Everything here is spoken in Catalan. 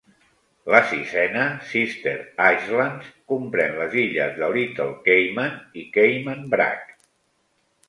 La sisena, Sister Islands, comprèn les illes de Little Cayman i Cayman Brac.